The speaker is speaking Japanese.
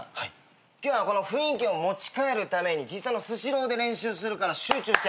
今日はこの雰囲気を持ち帰るために実際のスシローで練習するから集中してやってこう。